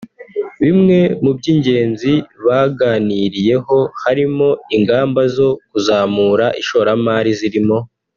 Bimwe mu by’ ingenzi baganiriyeho harimo ingamba zo kuzamura ishoramali zirimo